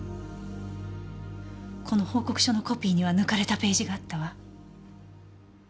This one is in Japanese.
この報告書のコピーには抜かれたページがあったわ。